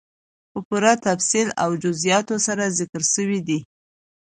په پوره تفصيل او جزئياتو سره ذکر سوي دي،